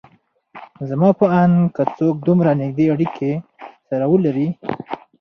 زما په اند که څوک دومره نيږدې اړکې سره ولري